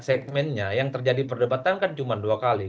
segmennya yang terjadi perdebatan kan cuma dua kali